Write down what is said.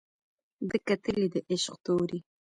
ده کتلى د عشق تورى